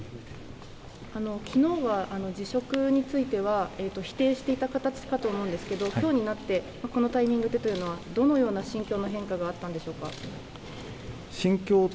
昨日は辞職については否定していた形かと思うんですが今日になってこのタイミングでというのはどのような心境の変化があったのでしょうか。